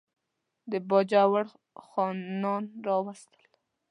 د باجوړ خانان راوستل.